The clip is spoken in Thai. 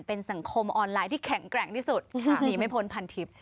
เป็นสังคมออนไลน์ที่แข็งแกร่งที่สุดหนีไม่พ้นพันทิพย์